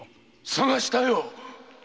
捜したよ！